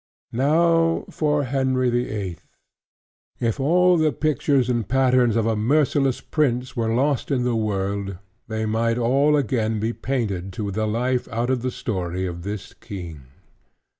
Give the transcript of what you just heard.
Now for King Henry the Eighth; if all the pictures and patterns of a merciless prince were lost in the world, they might all again be painted to the life, out of the story of this king.